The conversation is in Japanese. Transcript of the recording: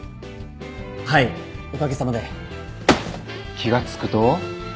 ・気が付くと。